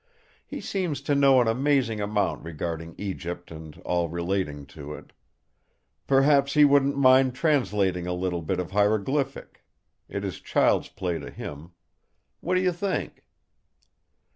He seems to know an amazing amount regarding Egypt and all relating to it. Perhaps he wouldn't mind translating a little bit of hieroglyphic. It is child's play to him. What do you think?"